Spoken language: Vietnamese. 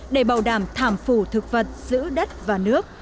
để bảo đảm thảm phủ thực vật giữa đất và nước